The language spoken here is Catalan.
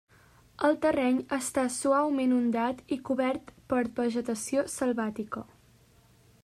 El terreny està suaument ondat i cobert per vegetació selvàtica.